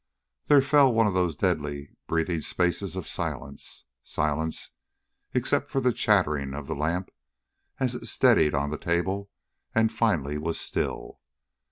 There fell one of those deadly breathing spaces of silence silence, except for the chattering of the lamp, as it steadied on the table and finally was still.